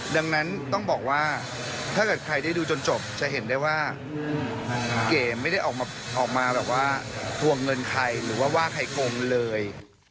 ดังนั้นต้องบอกว่าถ้าเกิดใครได้ดูจนจบจะเห็นได้ว่าเก๋ไม่ได้ออกมาแบบว่าทวงเงินใครหรือว่าว่าใครโกงเลย